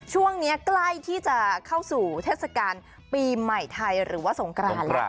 ช่วงนี้ใกล้ที่จะเข้าสู่เทศกาลปีใหม่ไทยหรือว่าสงกรานแล้ว